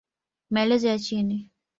Maelezo ya chini